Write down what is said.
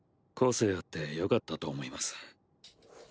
個性あってよかったと思います。